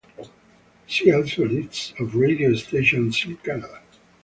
See also List of radio stations in Canada.